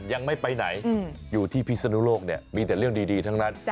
ยังไม่ไปไหนอยู่ที่พิศนุโลกเนี่ยมีแต่เรื่องดีทั้งนั้น